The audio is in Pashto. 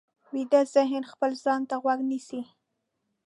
ویده ذهن خپل ځان ته غوږ نیسي